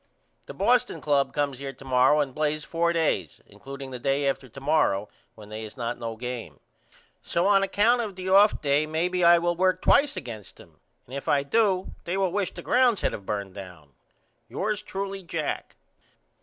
The Boston Club comes here to morrow and plays 4 days includeing the day after to morrow when they is not no game. So on account of the off day maybe I will work twice against them and if I do they will wish the grounds had of burned down. Yours truly, JACK.